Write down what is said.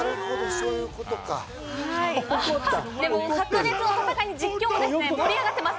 白熱の戦いに実況も盛り上がっています。